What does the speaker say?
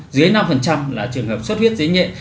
dưới năm là trường hợp xuất huyết dưới nhện